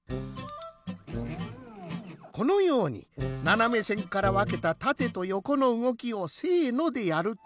このようにななめせんからわけたたてとよこのうごきをせのでやると。